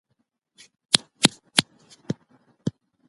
بهرنی سیاست د هیواد د ګټو تر ټولو غوره استازی دی.